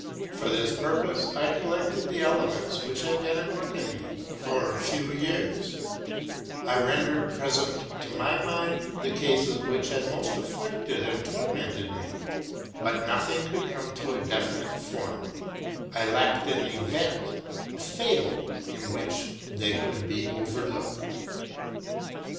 For this pur pose I collected the elements which had been at work in me for a few years, I rendered present to my mind the cases which had most afflicted and tormented me, but nothing would come to a definite form: I lacked an event, a fable, in which they could be overlooked.